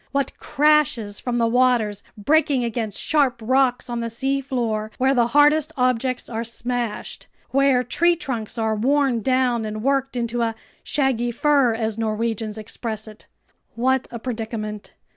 What crashes from the waters breaking against sharp rocks on the seafloor, where the hardest objects are smashed, where tree trunks are worn down and worked into "a shaggy fur," as Norwegians express it! What a predicament!